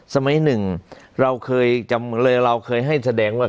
สมัยหนึ่งเราเคยให้แสดงว่า